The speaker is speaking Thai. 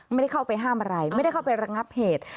ไม่ได้เข้าไปห้ามอะไรไม่ได้เข้าไประงับเหตุ